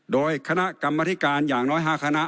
โดยคณะกรรมธิการอย่างน้อย๕คณะ